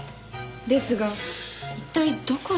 ですが一体どこに？